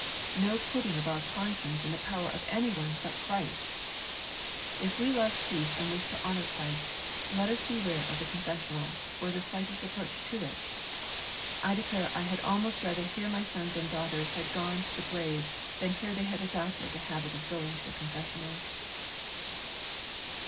No putting of our conscience in the power of any one but Christ ! If we love peace and wish to honour Christ, let us beware of the confessional, or the slightest approach to it. I declare I had almost rather hear my sons and daughters had gone to the grave, than hear they had adopted the habit of going to a confessional.